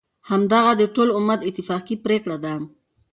همدغه د ټول امت اتفاقی پریکړه ده،